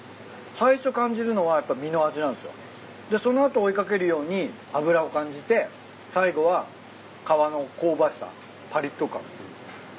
最初感じるのはやっぱ身の味なんすよ。でその後追い掛けるように脂を感じて最後は皮の香ばしさぱりっと感。